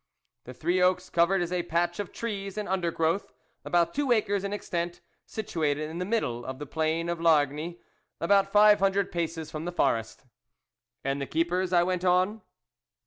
The Three Oaks Covert is a patch of trees and undergrowth, about two acres in extent, situated in the middle of the plain of Largny, about five hundred paces from the forest. " And the keepers ?" I went on.